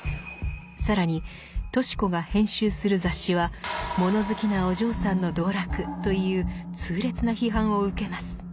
更にとし子が編集する雑誌は「物好きなお嬢さんの道楽」という痛烈な批判を受けます。